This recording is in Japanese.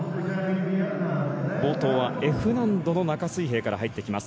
冒頭はＦ難度の中水平から入ってきます。